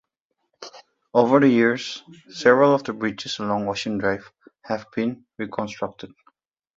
Over the years, several of the bridges along Ocean Drive have been reconstructed.